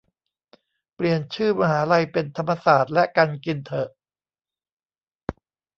เปลี่ยนชื่อมหาลัยเป็นธรรมศาสตร์และการกินเถอะ